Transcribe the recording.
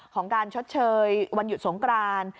ของการชดเชยวันหยุดสงกราน